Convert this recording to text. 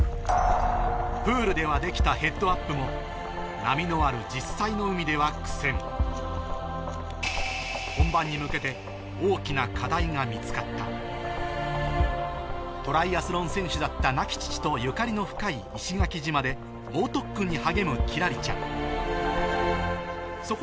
プールではできたヘッドアップも波のある実際の海では苦戦本番に向けてが見つかったトライアスロン選手だった亡き父とゆかりの深い石垣島で猛特訓に励む輝星ちゃん